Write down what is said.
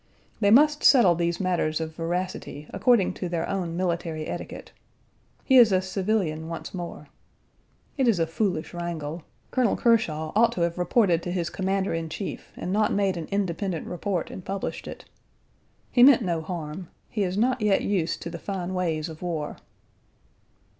They must settle these matters of veracity according to their own military etiquette. He is a civilian once more. It is a foolish wrangle. Colonel Kershaw ought to have reported to his commander in chief, and not made an independent report and published it. He meant no harm. He is not yet used to the fine ways of war.